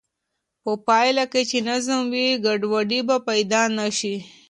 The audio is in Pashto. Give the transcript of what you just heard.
په پایله کې چې نظم وي، ګډوډي به پیدا نه شي.